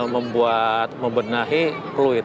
membuat membenahi fluid